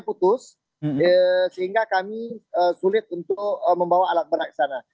putus sehingga kami sulit untuk membawa alat berat ke sana